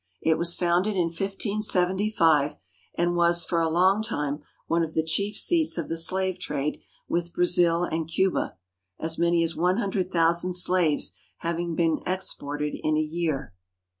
It was founded in 1575, and was for a long time one of the chief seats of the slave trade with Brazil and Cuba, as many as one hun dred thousand slaves having been exported in a year.